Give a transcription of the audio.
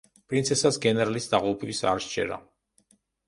პრინცესას გენერლის დაღუპვის არ სჯერა.